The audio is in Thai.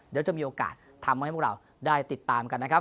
เดี๋ยวจะมีโอกาสทำให้พวกเราได้ติดตามกันนะครับ